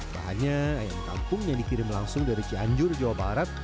bahannya ayam kampung yang dikirim langsung dari cianjur jawa barat